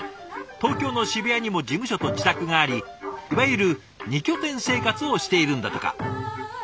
東京の渋谷にも事務所と自宅がありいわゆる２拠点生活をしているんだとか。